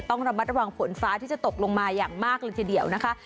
ต้องระมัดระวังฝนฟ้าที่จะตกลงมาอย่างมากเลยทีเดียวนะคะ